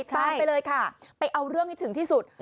ตามไปเลยค่ะไปเอาเรื่องให้ถึงที่สุด